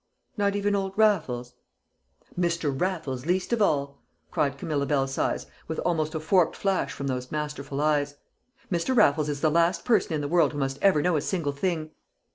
"Not even old Raffles?" "Mr. Raffles least of all!" cried Camilla Belsize, with almost a forked flash from those masterful eyes. "Mr. Raffles is the last person in the world who must ever know a single thing."